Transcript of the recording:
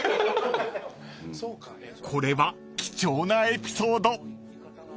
［これは貴重なエピソード］